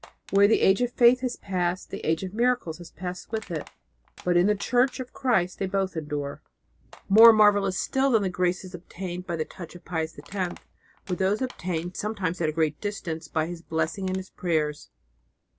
Where the age of faith has passed, the age of miracles has passed with it, but in the Church of Christ they both endure. [*] Acts v 15 and vi 12; Matt. xiii 58. More marvellous still than the graces obtained by the touch of Pius X were those obtained sometimes at a great distance by his blessing and his prayers.